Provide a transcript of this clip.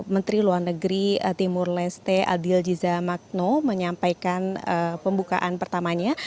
menteri luar negeri timur leste aldil jiza magno menyampaikan pembukaan pertamanya